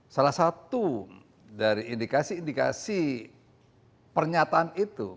salah satu dari indikasi indikasi pernyataan itu